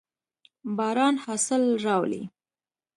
باران حاصل راولي.